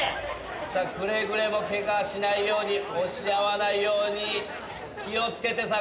さあくれぐれもケガしないように押し合わないように気を付けて捜してくれ。